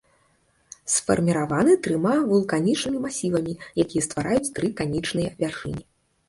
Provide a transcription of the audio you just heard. Сфарміраваны трыма вулканічнымі масівамі, якія ствараюць тры канічныя вяршыні.